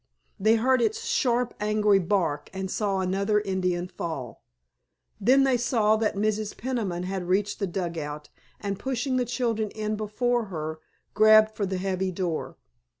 They heard its sharp angry bark, and saw another Indian fall. Then they saw that Mrs. Peniman had reached the dugout, and pushing the children in before her grabbed for the heavy door.